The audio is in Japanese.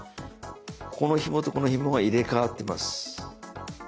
このひもとこのひもが入れ代わってます。